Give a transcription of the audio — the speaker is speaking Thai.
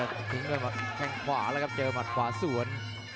ทิ้งด้วยหมัดแข้งขวาแล้วครับเจอหมัดขวาสวน